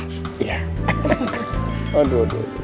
aduh aduh aduh